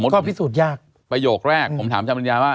ก็พิสูจน์ยากประโยคแรกผมถามจำนิยาว่า